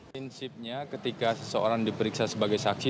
prinsipnya ketika seseorang diperiksa sebagai saksi